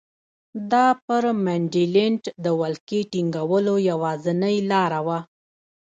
دا پر منډلینډ د ولکې ټینګولو یوازینۍ لاره وه.